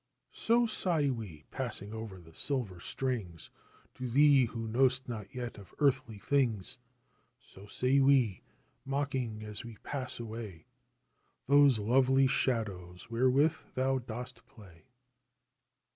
So sigh we, passing o'er the silver strings, To thee who know'st not yet of earthly things ; So say we ; mocking, as we pass away, Those lovely shadows wherewith thou dost play.